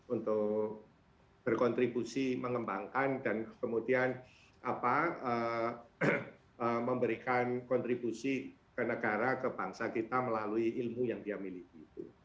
untuk berkontribusi mengembangkan dan kemudian memberikan kontribusi ke negara ke bangsa kita melalui ilmu yang dia miliki